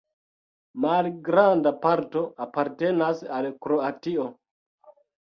Malgranda parto apartenas al Kroatio.